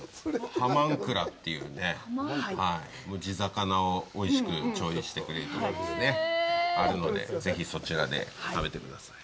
浜んくらっていうね、地魚をおいしく調理してくれるとこがあるのでぜひ、そちらで食べてください。